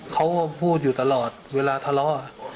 เขาก็พูดอยู่ตลอดเวลาทะเลาะ